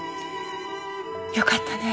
よかったね。